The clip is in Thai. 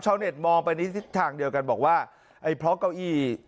เน็ตมองไปในทิศทางเดียวกันบอกว่าไอ้เพราะเก้าอี้